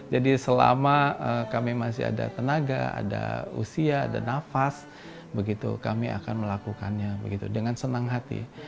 jadi selama kami masih ada tenaga ada usia ada nafas kami akan melakukannya dengan senang hati